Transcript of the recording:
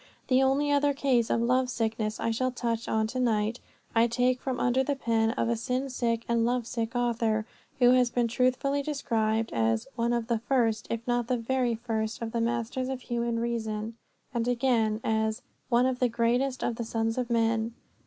The only other case of love sickness I shall touch on to night I take from under the pen of a sin sick and love sick author, who has been truthfully described as "one of the first, if not the very first, of the masters of human reason," and, again, as "one of the greatest of the sons of men."